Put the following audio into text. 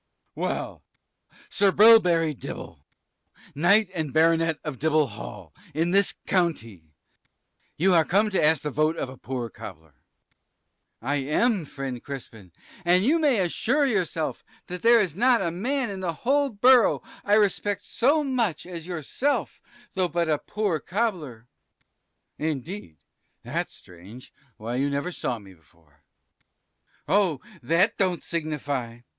Well, Sir Bilberry Dibble, knight and baronet of Dibble hall, in this county, you are come to ask a vote of a poor cobbler. Sir B. I am, friend Crispin, and you may assure yourself that there is not a man in the whole borough I respect so much as yourself, though but a poor cobbler. Cris. Indeed! that's strange why you never saw me before. Sir B. Oh, that don't signify!